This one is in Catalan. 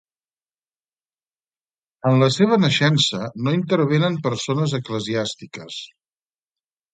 En la seva naixença no intervenen persones eclesiàstiques.